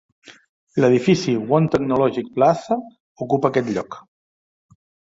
L'edifici One Technology Plaza ocupa aquest lloc.